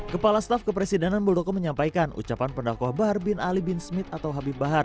kepala staf kepresidenan muldoko menyampaikan ucapan pendakwah bahar bin ali bin smith atau habib bahar